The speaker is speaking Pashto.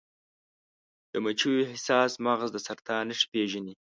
د مچیو حساس مغز د سرطان نښې پیژني.